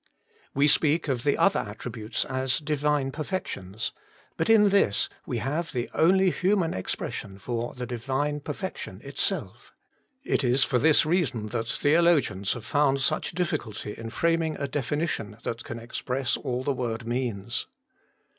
We speak of the other attributes as Divine perfections, but in this we have the only human expression for the Divine Perfection itself It is for this reason that theologians have found such difficulty in framing a definition that can express all the word means.